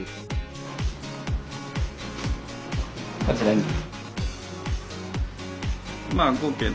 こちらに。